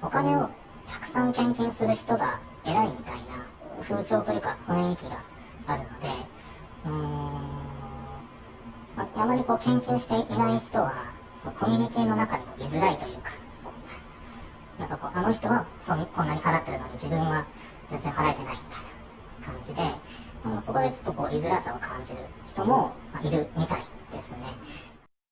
お金をたくさん献金する人が偉いみたいな風潮というか雰囲気があるので、たまに献金していない人はコミュニティーの中に居づらいというか、あの人はそんなに払っているのに、自分は全然払えてないみたいな感じで、そこでちょっと居づらさを感じる人もいるみたいですね。